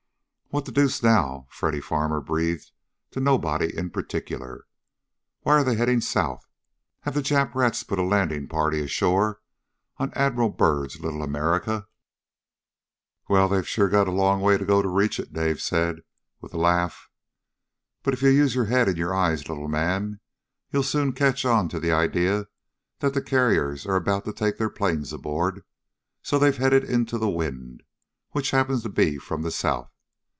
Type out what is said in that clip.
"What the deuce, now?" Freddy Farmer breathed to nobody in particular. "Why are they heading south? Have the Jap rats put a landing party ashore on Admiral Byrd's Little America?" "Well, they've sure got a long ways to go to reach it!" Dave said with a laugh. "But if you use your head and your eyes, little man, you'll soon catch on to the idea that the carriers are about to take their planes aboard. So they've headed into the wind, which happens to be from the south.